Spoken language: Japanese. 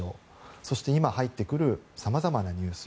そして、今入ってくるさまざまなニュース。